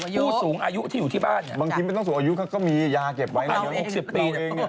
บางคนที่อยู่ที่บ้านบางคนไม่ต้องสูงอายุก็มียาเก็บไว้นะ๖๐ปีเนี่ย